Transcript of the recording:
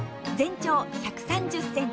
全長１３０ｃｍ。